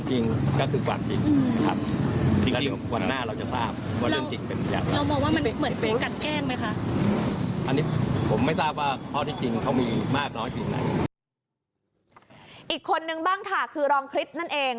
อีกคนนึงบ้างค่ะคือรองคริสนั่นเอง